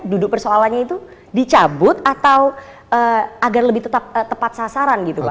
duduk persoalannya itu dicabut atau agar lebih tetap tepat sasaran gitu pak